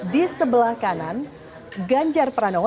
di sebelah kanan ganjar pranowo